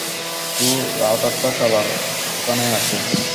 তো, রাউটারটা চালার ওখানে আছে।